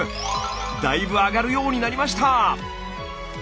だいぶ上がるようになりました！